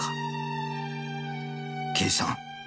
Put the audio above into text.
「刑事さん